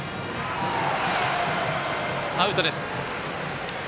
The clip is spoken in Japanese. アウトです。